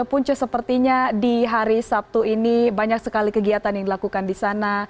punca sepertinya di hari sabtu ini banyak sekali kegiatan yang dilakukan di sana